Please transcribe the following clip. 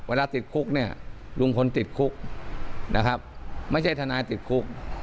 ติดคุกเนี่ยลุงพลติดคุกนะครับไม่ใช่ทนายติดคุก